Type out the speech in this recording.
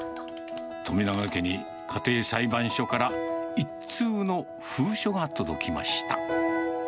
富永家に家庭裁判所から一通の封書が届きました。